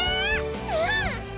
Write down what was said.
うん！